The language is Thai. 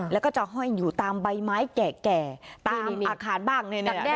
แล้วก็จะห้อยอยู่ตามใบไม้แก่ตามอาคารบ้าง